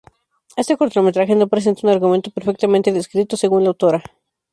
Este cortometraje no presenta un argumento perfectamente descrito según la autora.